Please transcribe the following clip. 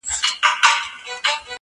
• که زما د خاموشۍ ژبه ګویا سي..